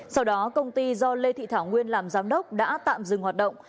sau đó công ty do lê thị thảo nguyên làm giám đốc đã tạm dừng hoạt động